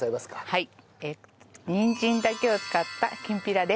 はい。